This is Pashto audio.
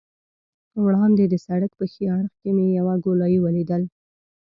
وړاندې د سړک په ښي اړخ کې مې یوه ګولایي ولیدل.